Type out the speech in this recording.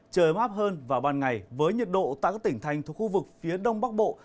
trời mát hơn vào ban ngày với nhiệt độ tại các tỉnh thành thuộc khu vực phía đông bắc bộ